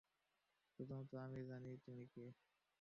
শুধুমাত্র আমিই জানি তুমি কে।